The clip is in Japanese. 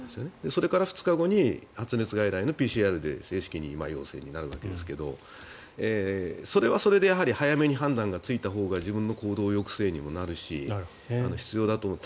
それから２日後に発熱外来のＰＣＲで正式に陽性になるわけですけどそれはそれでやはり早めに判断がついたほうが自分の行動抑制にもなるし必要だと思う。